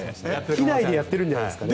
機内でやってるんじゃないですかね。